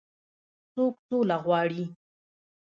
څوک سوله غواړي.